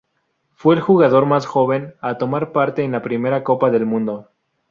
Fue el jugador más joven a tomar parte en la primera Copa del Mundo.